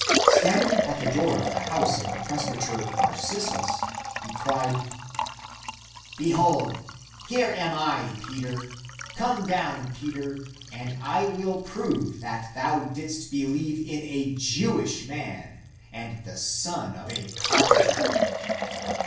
Standing at the door of the house of the presbyter Narcissus, he cried, " Behold, here am I, Peter ; come down, Peter, and I will prove that thou didst believe in a Jewish man and the son of a carpenter."